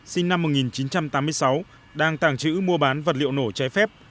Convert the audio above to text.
sinh năm một nghìn chín trăm tám mươi sáu đang tàng trữ mua bán vật liệu nổ trái phép